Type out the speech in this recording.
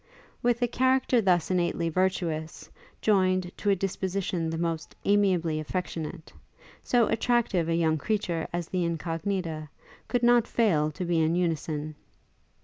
With a character thus innately virtuous, joined to a disposition the most amiably affectionate, so attractive a young creature as the Incognita could not fail to be in unison.